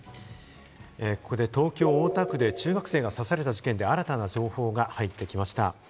ここで東京・大田区で中学生が刺された事件で新たな情報が入ってきました。